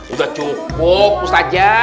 udah cukup pus aja